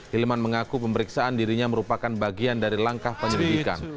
hilman mengaku pemeriksaan dirinya merupakan bagian dari langkah penyelidikan